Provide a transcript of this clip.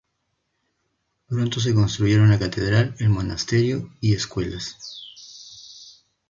Pronto se construyeron la catedral, el monasterio y escuelas.